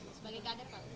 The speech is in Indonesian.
sebagai kader pak